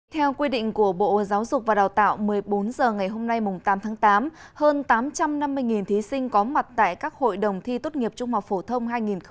theo quy định của bộ giáo dục và đào tạo một mươi bốn h ngày hôm nay tám tháng tám hơn tám trăm năm mươi thí sinh có mặt tại các hội đồng thi tốt nghiệp trung học phổ thông hai nghìn hai mươi